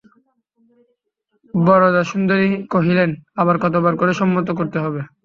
বরদাসুন্দরী কহিলেন, আবার কতবার করে সম্মত করতে হবে?